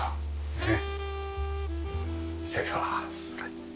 ねえ。